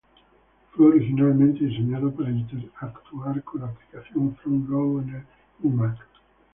Fue originalmente diseñado para interactuar con la aplicación Front Row en el iMac.